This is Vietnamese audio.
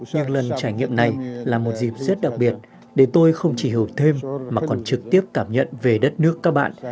những lần trải nghiệm này là một dịp rất đặc biệt để tôi không chỉ hiểu thêm mà còn trực tiếp cảm nhận về đất nước các bạn